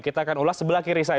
kita akan ulas sebelah kiri saya